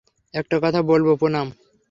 একটা কথা বলবো পুনাম?